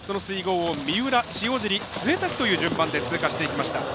三浦、塩尻潰滝という順番で通過していきました。